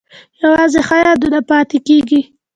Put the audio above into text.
یوازې ښه یادونه پاتې کیږي؟